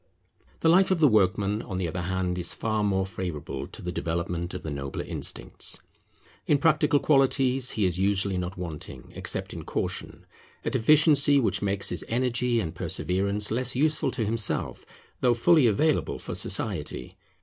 The life of the workman, on the other hand, is far more favourable to the development of the nobler instincts. In practical qualities he is usually not wanting, except in caution, a deficiency which makes his energy and perseverance less useful to himself, though fully available for society.